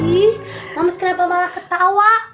ih moms kenapa malah ketawa